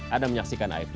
anda menyaksikan afd now